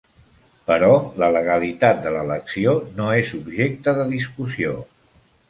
Però la legalitat de l'elecció no és objecte de discussió.